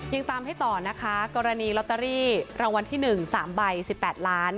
ยังตามให้ต่อนะคะกรณีลอตเตอรี่รางวัลที่๑๓ใบ๑๘ล้าน